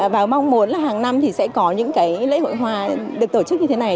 và mong muốn là hàng năm thì sẽ có những cái lễ hội hoa được tổ chức như thế này